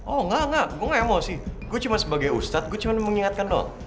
oh enggak enggak gue gak emosi gue cuma sebagai ustadz gue cuma mengingatkan doa